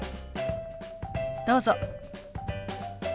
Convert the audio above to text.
どうぞ。